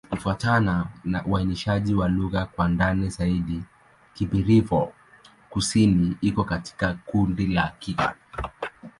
Kufuatana na uainishaji wa lugha kwa ndani zaidi, Kibirifor-Kusini iko katika kundi la Kigur.